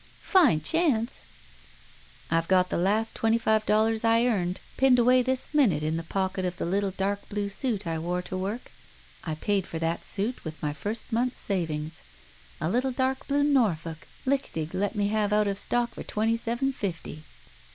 '" "Fine chance!" "I've got the last twenty five dollars I earned pinned away this minute in the pocket of the little dark blue suit I wore to ^rork. I paid for that suit with my first month's savings. A little dark blue Norfolk, Lichtig let me have out of stock for twenty seven fifty."